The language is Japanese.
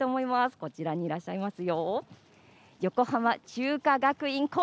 こちらにいらっしゃいますよ。